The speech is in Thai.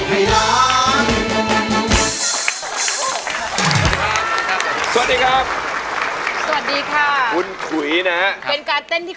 กว่าจะจบรายการเนี่ย๔ทุ่มมาก